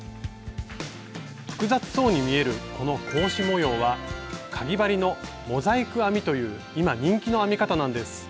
複雑そうに見えるこの格子模様はかぎ針の「モザイク編み」という今人気の編み方なんです。